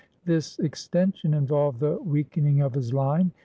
This extension involved the weak ening of his Hne.